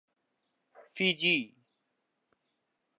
Fiji